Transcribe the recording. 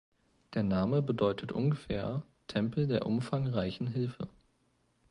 Der Name bedeutet ungefähr: "Tempel der Umfangreichen Hilfe".